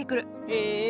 へえ。